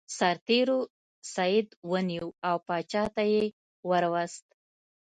سرتیرو سید ونیو او پاچا ته یې ور وست.